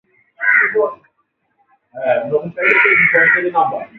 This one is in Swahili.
Takribani watu themanini na saba wameuawa na mamia kujeruhiwa